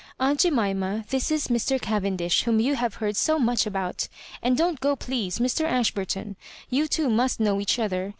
Aunt Jemima, this is Mr. Cavendish, whom you have heard so much about — and don't go please, Mr. Ashburton — ^you two must know each other.